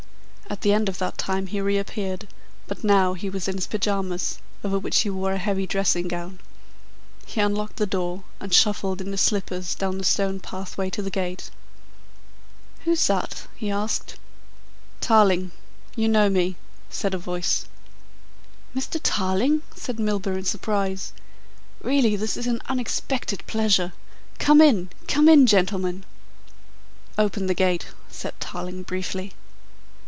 At the end of that time he reappeared, but now he was in his pyjamas, over which he wore a heavy dressing gown. He unlocked the door, and shuffled in his slippers down the stone pathway to the gate. "Who's that?" he asked. "Tarling. You know me," said a voice. "Mr. Tarling?" said Milburgh in surprise. "Really this is an unexpected pleasure. Come in, come in, gentlemen." "Open the gate," said Tarling briefly.